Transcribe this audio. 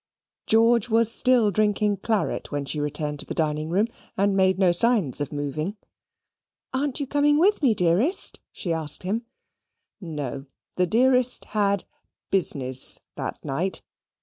George was still drinking claret when she returned to the dining room, and made no signs of moving. "Ar'n't you coming with me, dearest?" she asked him. No; the "dearest" had "business" that night.